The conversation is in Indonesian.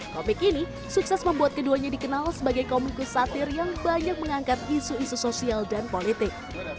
komik ini sukses membuat keduanya dikenal sebagai komikus satir yang banyak mengangkat isu isu sosial dan politik